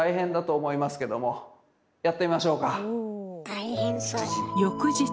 大変そう。